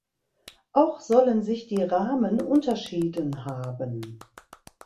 Auch sollen sich die Rahmen unterschieden haben.